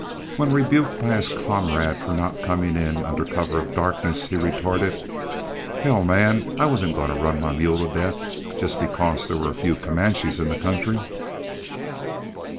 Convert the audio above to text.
When rebuked by his comrade for not coming in under cover of darkness, he retorted, "Hell, man, I wasn't going to run my mule to death just because there were a few Comanches in the country!"